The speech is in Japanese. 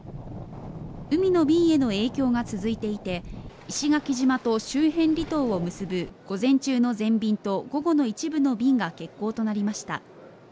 海の便への影響が続いていて、石垣島と周辺離島を結ぶ午前中の全便と午後の一部の便が欠航となりました。